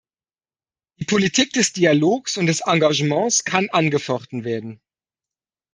Die Politik des Dialogs und des Engagements kann angefochten werden.